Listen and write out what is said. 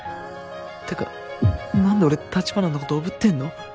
ってか何で俺橘のことおぶってんの？